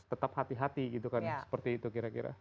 tetap hati hati gitu kan seperti itu kira kira